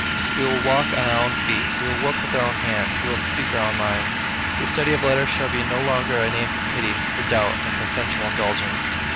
We will walk on our own feet; we will work with our own hands; we will speak our own minds. The study of letters shall be no longer a name for pity, for doubt, and for sensual indulgence.